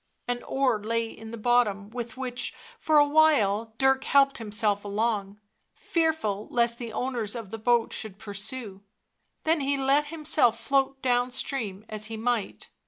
An oar lay in the bottom with which for a while Dirk helped himself along, fearful lest the owners of the boat should pursue, then he let himself float down stream as he might.